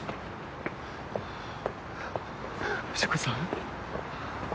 藤子さん？